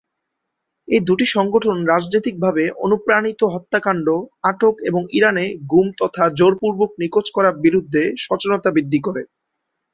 এই দুটি সংগঠন রাজনৈতিকভাবে অনুপ্রাণিত হত্যাকাণ্ড, আটক এবং ইরানে গুম তথা জোরপূর্বক নিখোঁজ করা বিরুদ্ধে সচেতনতা বৃদ্ধি করে।